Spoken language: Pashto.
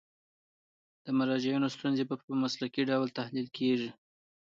د مراجعینو ستونزې په مسلکي ډول تحلیل کیږي.